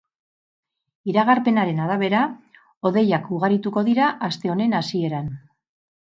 Iragarpenaren arabera, hodeiak ugarituko dira aste honen hasieran.